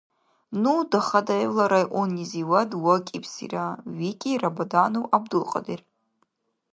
— Ну Дахадаевла районнизивад вакӀибсира, — викӀи Рабаданов ГӀябдулкьадир.